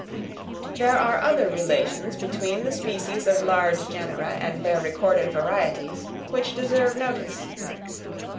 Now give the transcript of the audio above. _ There are other relations between the species of large genera and their recorded varieties which deserve notice.